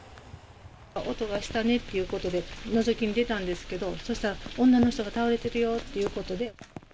音がしたねってことで、のぞきに出たんですけど、そしたら、女の人が倒れてるよっていうことで。